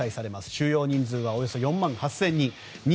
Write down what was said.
収容人数はおよそ４万８０００人。